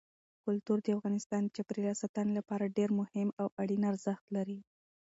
کلتور د افغانستان د چاپیریال ساتنې لپاره ډېر مهم او اړین ارزښت لري.